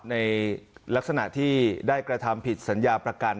ในลักษณะที่ได้กระทำผิดสัญญาประกัน